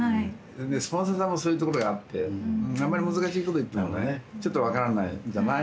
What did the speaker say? スポンサーさんもそういうところがあってあんまり難しいこと言ってもねちょっと分からないんじゃないのと。